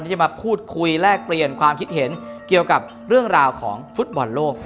ที่จะมาพูดคุยแลกเปลี่ยนความคิดเห็นเกี่ยวกับเรื่องราวของฟุตบอลโลก